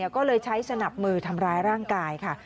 ก็เลยใช้สนับมือทำร้ายร่างกายค่ะ